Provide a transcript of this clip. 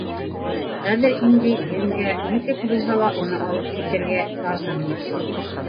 Хәҙер инде, еңгә, нисек булһа ла уны алып китергә ярҙам ит.